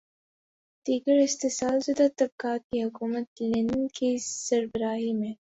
دیگر استحصال زدہ طبقات کی حکومت لینن کی سربراہی میں